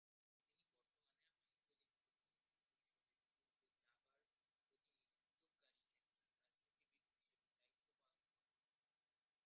তিনি বর্তমানে আঞ্চলিক প্রতিনিধি পরিষদ-এ পূর্ব জাভার প্রতিনিধিত্বকারী একজন রাজনীতিবিদ হিসেবে দায়িত্ব পালন করেন।